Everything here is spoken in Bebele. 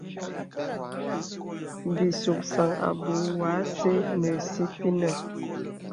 Bì suksan àbùù wɔ asə̀ nə sìpìnə.